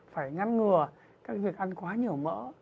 phải ngăn ngừa các việc ăn quá nhiều mỡ